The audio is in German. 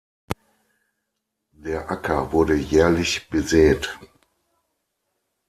Der Acker wurde jährlich besät.